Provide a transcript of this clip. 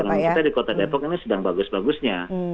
karena kita di kota depok ini sedang bagus bagusnya